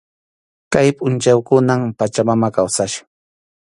Kay pʼunchawkunam Pachamama kawsachkan.